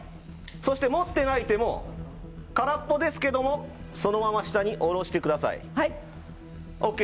そしてもってない手も空っぽですけどそのまま下に下ろしてください。